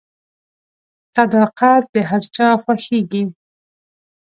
• صداقت د هر چا خوښیږي.